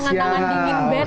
jadi tangan tangan dingin band